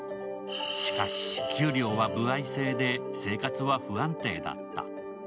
しかし給料は歩合制で生活は不安定だった。